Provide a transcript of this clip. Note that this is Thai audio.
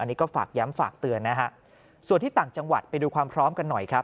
อันนี้ก็ฝากย้ำฝากเตือนนะฮะส่วนที่ต่างจังหวัดไปดูความพร้อมกันหน่อยครับ